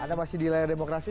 anda masih di layar demokrasi